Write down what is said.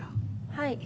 はい。